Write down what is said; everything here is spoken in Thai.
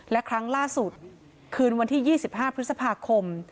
และครั้งล่าสุดคืนวันที่๒๕พฤษภาคม